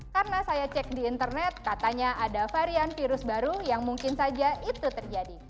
karena saya cek di internet katanya ada varian virus baru yang mungkin saja itu terjadi